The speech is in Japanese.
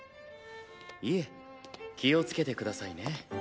いえ気をつけてくださいね。